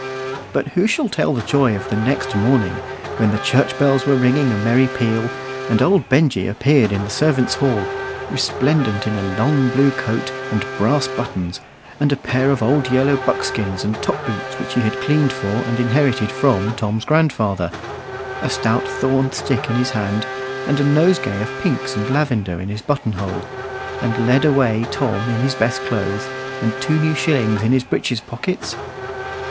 But who shall tell the joy of the next morning, when the church bells were ringing a merry peal, and old Benjy appeared in the servants' hall, resplendent in a long blue coat and brass buttons, and a pair of old yellow buckskins and top boots which he had cleaned for and inherited from Tom's grandfather, a stout thorn stick in his hand, and a nosegay of pinks and lavender in his buttonhole, and led away Tom in his best clothes, and two new shillings in his breeches pockets?